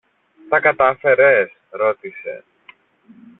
Τα κατάφερες; ρώτησε.